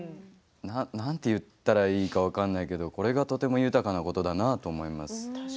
なんて言ったらいいか分からないけどこれがとても豊かなことだなと思います。